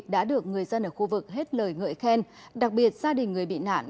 đã được người dân ở khu vực hết lời ngợi khen đặc biệt gia đình người bị nạn